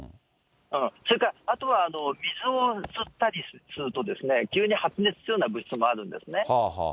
それからあとは、水を吸ったりすると、急に発熱するような物質もあるんですね。